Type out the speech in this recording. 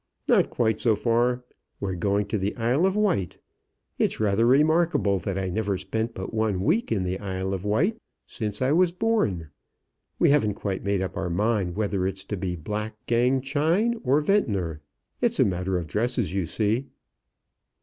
"Not quite so far. We're going to the Isle of Wight. It's rather remarkable that I never spent but one week in the Isle of Wight since I was born. We haven't quite made up our mind whether it's to be Black Gang Chine or Ventnor. It's a matter of dresses, you see."